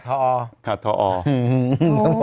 หันน้ากาดทูออ